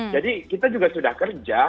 jadi kita juga sudah kerja